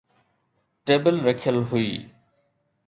table رکيل هئي